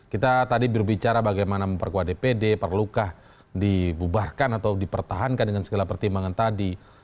kita tadi berbicara bagaimana memperkuat dpd perlukah dibubarkan atau dipertahankan dengan segala pertimbangan tadi